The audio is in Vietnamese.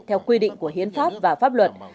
theo quy định của hiến pháp và pháp luật